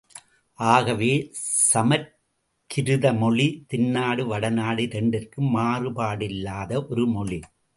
ஆகவே சமற்கிருத மொழி தென்னாடு வடநாடு இரண்டிற்கும் மாறுபாடில்லாத ஒரு மொழி.